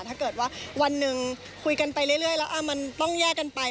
ถ้าเกิดว่าวันหนึ่งคุยกันไปเรื่อยแล้วมันต้องแยกกันไป